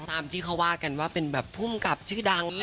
ตามที่เขาว่ากันว่าเป็นแบบภูมิกับชื่อดัง